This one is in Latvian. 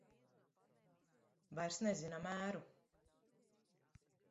Vairs nezina mēru.